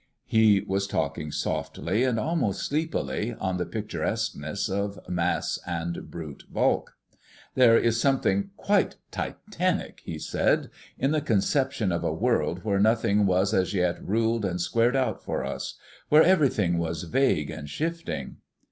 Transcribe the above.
He was talking softly, and almost sleepily, on the picturesqueness of Mass and Brute Bulk. "There is something quite Titanic," he said, "in the conception of a world where nothing was as yet ruled and squared out for us; where everything was vague and shifting."